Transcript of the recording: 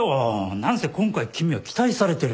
何せ今回君は期待されてる。